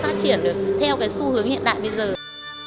theo cái xu hướng hiện đại bây giờ